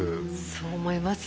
そう思いますね。